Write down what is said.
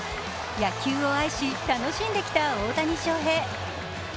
野球を愛し、楽しんできた大谷翔平